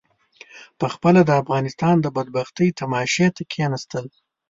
پخپله د افغانستان د بدبختۍ تماشې ته کېنستل.